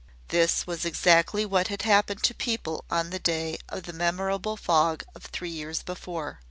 This was exactly what had happened to people on the day of the memorable fog of three years before.